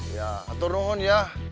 iya aturun ya